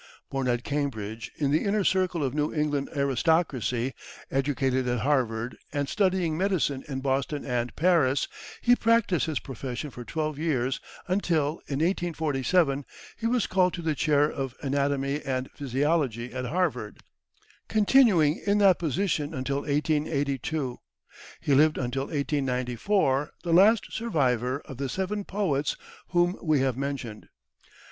Born at Cambridge, in the inner circle of New England aristocracy, educated at Harvard, and studying medicine in Boston and Paris, he practiced his profession for twelve years, until, in 1847, he was called to the chair of anatomy and physiology at Harvard, continuing in that position until 1882. He lived until 1894, the last survivor of the seven poets whom we have mentioned.